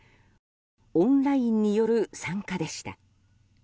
オンラインによる参加でした。